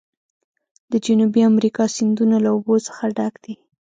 د جنوبي امریکا سیندونه له اوبو څخه ډک دي.